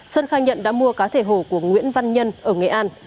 sơn khai nhận đã mua cá thể hổ của nguyễn văn nhân ở nghệ an